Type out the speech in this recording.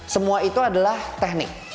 semua itu adalah teknik